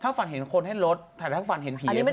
ถ้าฟันเห็นคนให้ลดถ้าฟันเห็นผีให้เดิม